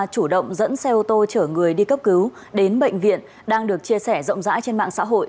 chủ động dẫn xe ô tô chở người đi cấp cứu đến bệnh viện đang được chia sẻ rộng rãi trên mạng xã hội